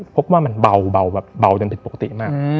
พบว่ามันเบาแบบเบาจนผิดปกติมาก